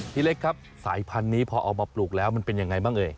เล็กครับสายพันธุ์นี้พอเอามาปลูกแล้วมันเป็นยังไงบ้างเอ่ย